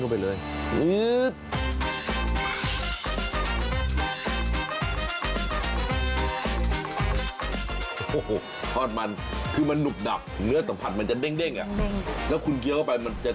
ปลาสลิด